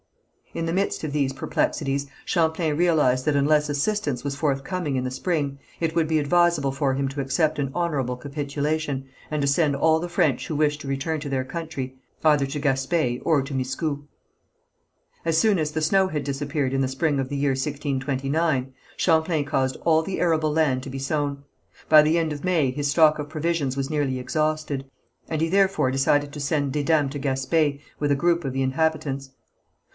In the midst of these perplexities Champlain realized that unless assistance was forthcoming in the spring, it would be advisable for him to accept an honourable capitulation, and to send all the French who wished to return to their country, either to Gaspé or to Miscou. As soon as the snow had disappeared in the spring of the year 1629, Champlain caused all the arable land to be sown. By the end of May his stock of provisions was nearly exhausted, and he therefore decided to send Desdames to Gaspé with a group of the inhabitants.